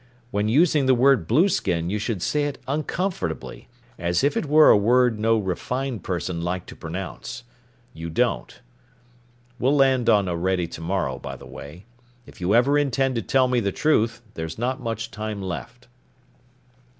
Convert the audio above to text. When using the word blueskin you should say it uncomfortably, as if it were a word no refined person liked to pronounce. You don't. We'll land on Orede tomorrow, by the way. If you ever intend to tell me the truth, there's not much time left."